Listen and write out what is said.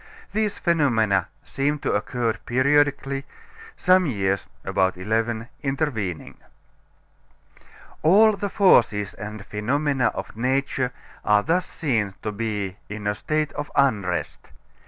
These phenomena seem to occur periodically; some years (about eleven) intervening. All the forces and phenomena of nature are thus seen to be in a state of unrest.